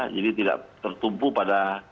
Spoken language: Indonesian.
jadi tidak tertumpu pada